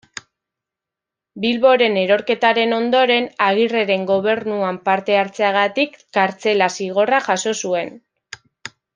Bilboren erorketaren ondoren, Agirreren gobernuan parte hartzeagatik kartzela-zigorra jaso zuen.